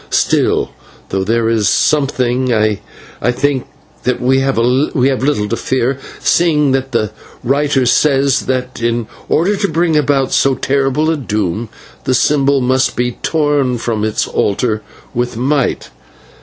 Still, though there is something, I think that we have little to fear, seeing that the writing says that, in order to bring about so terrible a doom, the symbol must be torn from its altar with might.